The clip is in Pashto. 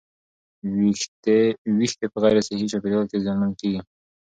ویښتې په غیر صحي چاپېریال کې زیانمن کېږي.